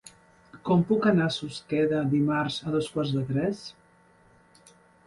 Com puc anar a Susqueda dimarts a dos quarts de tres?